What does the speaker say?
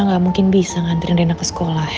tiga dengan kondisi pladen di gedung ya kuat